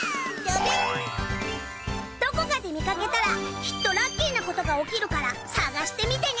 どこかで見かけたらきっとラッキーなことが起きるから探してみてね。